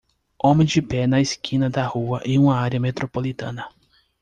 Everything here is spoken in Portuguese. homem de pé na esquina da rua em uma área metropolitana.